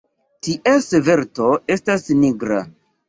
Ties verto estas nigra.